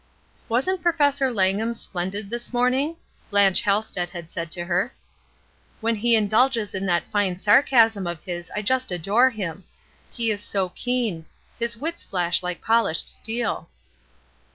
"Wasn't Professor Langham splendid this morning?" Blanche Halsted had said to her. When he indulges in that fine sarcasm of his I just adore him. He is so keen; his wits flash like pohshed steel."